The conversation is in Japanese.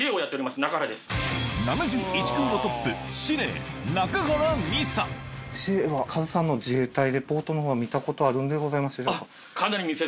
司令はカズさんの自衛隊リポートの方は見たことあるんでございますでしょうか？